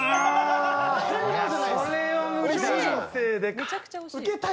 めちゃくちゃ惜しい。